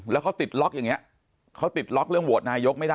แล้วเขาติดล็อกอย่างนี้เขาติดล็อกเรื่องโหวตนายกไม่ได้